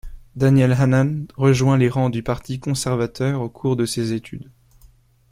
Daniel Hannan rejoint les rangs du Parti conservateur au cours de ses études.